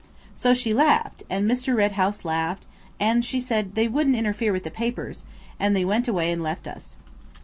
So she laughed, and Mr. Red House laughed, and she said they wouldn't interfere with the papers, and they went away and left us.